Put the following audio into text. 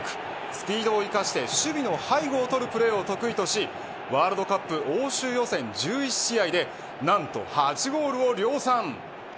スピードを生かして守備の背後をとるプレーを得意としワールドカップ欧州予選１１試合で何と８ゴールを量産。